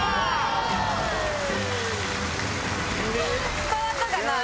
伝わったかな？